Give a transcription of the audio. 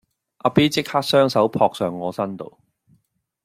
阿 B 即刻雙手撲上我身度